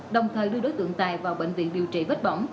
đồng thời đưa đối tượng tài vào bệnh viện điều trị vết bỏng